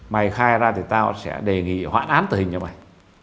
mày khai ra thì tao sẽ đề nghị hoãn án tử hình cho mày